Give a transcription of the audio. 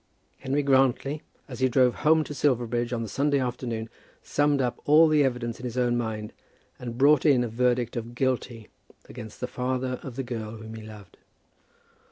Henry Grantly, as he drove home to Silverbridge on the Sunday afternoon, summed up all the evidence in his own mind, and brought in a verdict of Guilty against the father of the girl whom he loved.